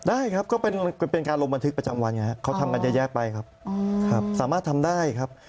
ได้ครับก็เป็นการลงบันทึกประจำวันไงครับเขาทำกันเยอะแยะไปครับสามารถทำได้ครับ